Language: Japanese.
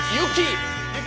雪！